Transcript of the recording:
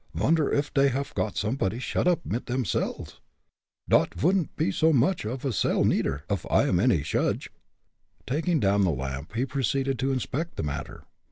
Vonder uff dey haff got somepody shut up mit dem cells? Dot vouldn't pe so much off a 'sell,' neider, off I am any shudge." Taking down the lamp, he proceeded to inspect the matter.